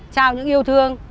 trao những yêu thương